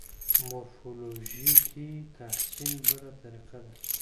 مورفولوژیکي تحلیل بله طریقه ده.